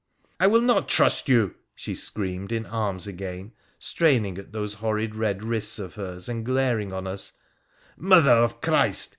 ' I will not trust you,' she screamed, in arms again, strain ing at those horrid red wrists of hers and glaring on us— ' Mother of Christ